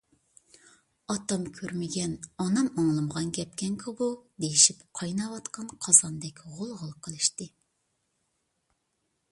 ئاتام كۆرمىگەن، ئانام ئاڭلىمىغان گەپكەنغۇ بۇ دېيىشىپ، قايناۋاتقان قازاندەك غۇلغۇلا قىلىشتى.